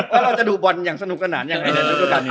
แล้วเราจะดูบอลอย่างสนุกสนานยังไงในฤดูการนี้